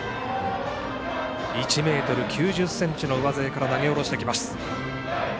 １ｍ９０ｃｍの上背から投げ下ろしてきます。